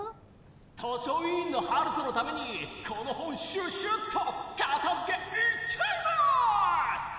・図書いいんのハルトのためにこの本シュシュッとかたづけいっちゃいます！